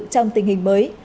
trong tình hình mới